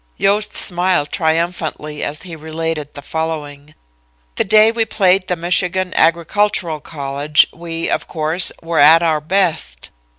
Yost smiled triumphantly as he related the following: "The day we played the Michigan Agricultural College we, of course, were at our best.